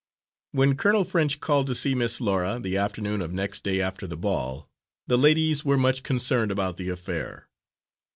When Colonel French called to see Miss Laura, the afternoon of next day after the ball, the ladies were much concerned about the affair.